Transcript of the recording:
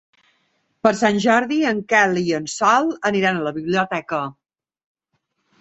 Per Sant Jordi en Quel i en Sol iran a la biblioteca.